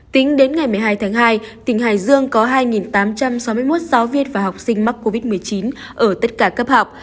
tính đến ngày một mươi hai tháng hai tỉnh hải dương có hai tám trăm sáu mươi một giáo viên và học sinh mắc covid một mươi chín ở tất cả cấp học